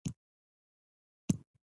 د ستنېدنې پر مهال هم خواړه په لاسونو کې و.